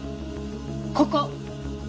ここ。